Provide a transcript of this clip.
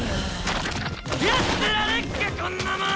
やってられっかこんなもん！